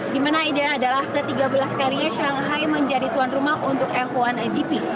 dimana ide adalah ke tiga belas karirnya shanghai menjadi tuan rumah untuk f satu gp